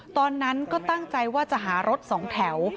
ตอนนั้นก็ตั้งใจว่าจะหารถสองแถว